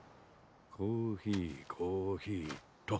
コーヒーコーヒーっと。